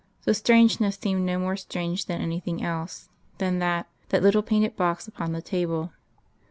The strangeness seemed no more strange than anything else than that ... that little painted box upon the table.